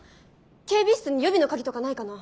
警備室に予備の鍵とかないかな？